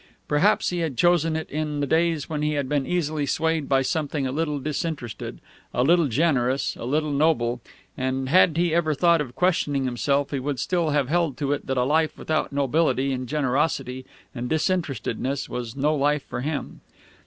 Perhaps he had chosen it in the days when he had been easily swayed by something a little disinterested, a little generous, a little noble; and had he ever thought of questioning himself he would still have held to it that a life without nobility and generosity and disinterestedness was no life for him.